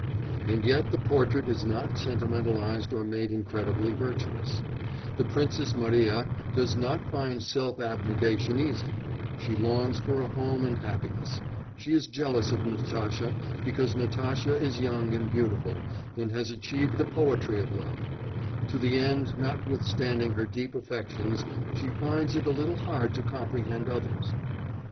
And yet the portrait is not sentimentalised or made incredibly virtuous; the Princess Mariya does not find self abnegation easy, she longs for a home and happiness, she is jealous of Natasha because Natasha is young and beautiful, and has achieved the poetry of love; to the end, notwithstanding her deep affections, she finds it a little hard to comprehend others.